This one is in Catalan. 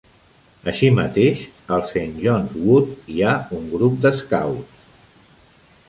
Així mateix, al Saint Johns Wood hi ha un gran grup de "scouts".